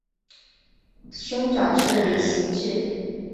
兄长是李袭志。